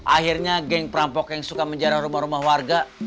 akhirnya geng perampok yang suka menjara rumah rumah warga